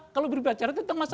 kalau berbicara tentang masa